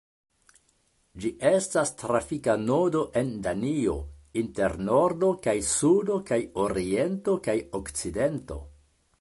Ĝi estas trafika nodo en Danio inter nordo kaj sudo kaj oriento kaj okcidento.